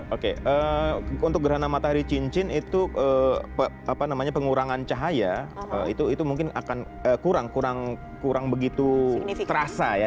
oke untuk gerhana matahari cincin itu pengurangan cahaya itu mungkin akan kurang begitu terasa ya